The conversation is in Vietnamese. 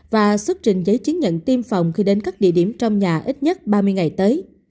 và xuất trình giấy chứng nhận tiêm phòng khi đến các địa điểm trong nhà ít nhất ba mươi ngày tới